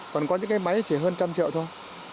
còn có những cái máy chỉ hơn một trăm linh triệu thôi